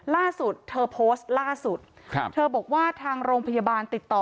ล่าสุดเธอโพสต์ล่าสุดครับเธอบอกว่าทางโรงพยาบาลติดต่อ